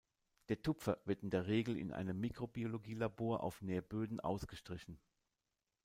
Der Tupfer wird in der Regel in einem Mikrobiologie-Labor auf Nährböden ausgestrichen.